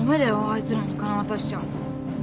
あいつらに金渡しちゃ。